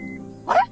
あれ？